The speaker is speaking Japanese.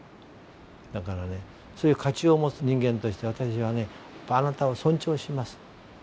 だからねそういう価値を持つ人間として私はあなたを尊重します。